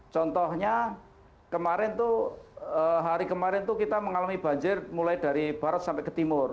contohnya kemarin tuh hari kemarin itu kita mengalami banjir mulai dari barat sampai ke timur